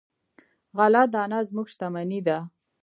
غله دانه زموږ شتمني ده.